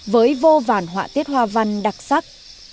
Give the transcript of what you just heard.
với vô vàn họa tiết hoa văn đặc sắc